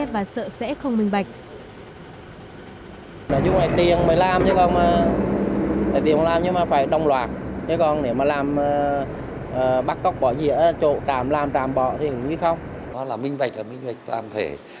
và sợ sẽ không minh bạch